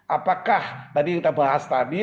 apakah tadi kita bahas tadi